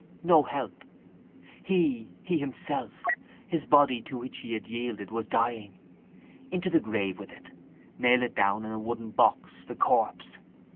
No help! He—he himself—his body to which he had yielded was dying. Into the grave with it. Nail it down into a wooden box, the corpse.